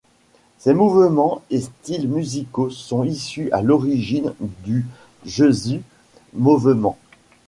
Ces mouvements et styles musicaux sont issus à l'origine du Jesus Movement.